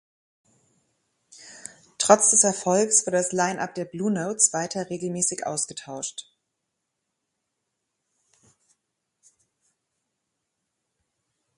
Trotz des Erfolges wurde das Line-up der „Blue Notes“ weiter regelmäßig ausgetauscht.